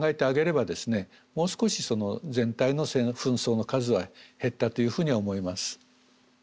もう少し全体の紛争の数は減ったというふうには思います。